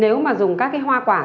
nếu mà dùng các cái hoa quả